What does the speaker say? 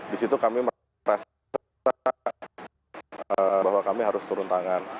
di situ kami merasa bahwa kami harus turun tangan